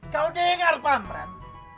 kau dengar pak amran